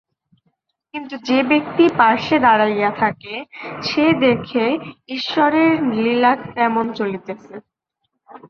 কিন্তু যে ব্যক্তি পার্শ্বে দাঁড়াইয়া থাকে, সে দেখে ঈশ্বরের লীলা কেমন চলিতেছে।